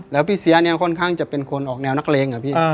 แล้วพี่เสียเนี่ยค่อนข้างจะเป็นคนออกแนวนักเลงอะพี่